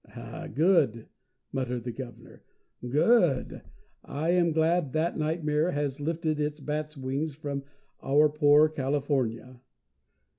"Good!" muttered the Governor. "Good! I am glad that nightmare has lifted its bat's wings from our poor California.